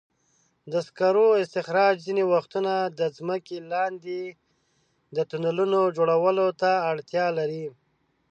د سکرو استخراج ځینې وختونه د ځمکې لاندې د تونلونو جوړولو ته اړتیا لري.